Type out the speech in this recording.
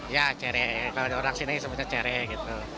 ya cere kalau ada orang di sini sebetulnya cere gitu